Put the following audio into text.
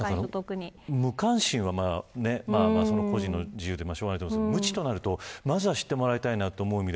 無関心は個人の自由なのでしょうがないと思いますが無知となると、まずは知ってもらいたいと思います。